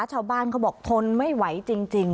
ชาวบ้านเขาบอกทนไม่ไหวจริง